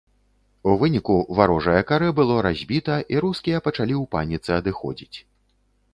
У выніку варожае карэ было разбіта, і рускія пачалі ў паніцы адыходзіць.